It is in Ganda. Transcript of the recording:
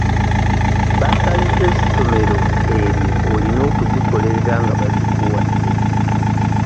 Bassale z'essomero eryo olina okuzikolerera nga bazikuwadde.